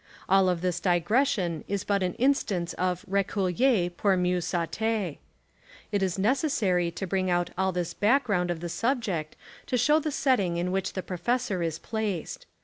All of this digression is but an instance of reader pour mieiix saiiter. It is necessary to bring out all this back ground of the subject to show the setting in which the professor is placed.